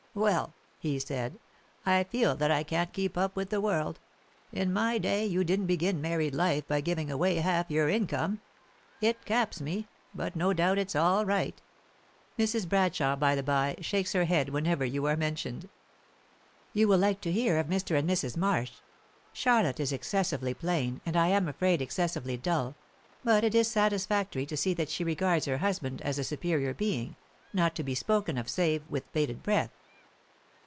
'Well,' he said, 'I feel that I can't keep up with the world; in my day, you didn't begin married life by giving away half your income. It caps me, but no doubt it's all right.' Mrs. Bradshaw by the bye, shakes her head whenever you are mentioned. "You will like to hear of Mr. and Mrs. Marsh. Charlotte is excessively plain, and I am afraid excessively dull, but it is satisfactory to see that she regards her husband as a superior being, not to be spoken of save with bated breath.